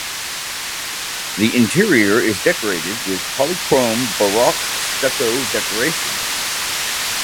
The interior is decorated with polychrome baroque stucco decorations.